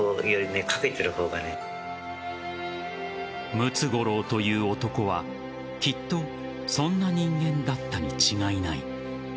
ムツゴロウという男はきっとそんな人間だったに違いない。